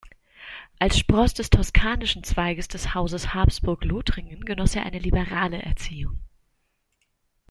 Als Spross des toskanischen Zweiges des Hauses Habsburg-Lothringen genoss er eine liberale Erziehung.